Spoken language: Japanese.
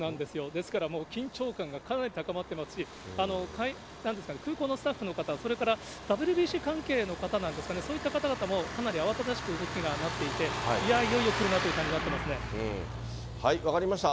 ですからもう緊張感がかなり高まってますし、なんですかね、空港のスタッフの方、それからＷＢＣ関係の方なんですかね、そういった方々も、かなり慌ただしく動きがなっていて、いやー、いよいよ来るなとい分かりました。